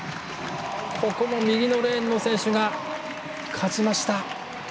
ここも右のレーンの選手が勝ちました。